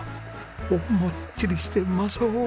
おおもっちりしてうまそう。